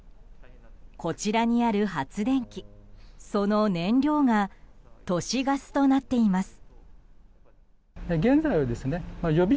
こちらにある発電機、その燃料が都市ガスとなっています。